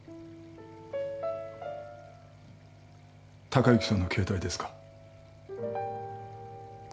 貴之さんの携帯ですか？